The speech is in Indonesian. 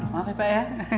maaf ya pak ya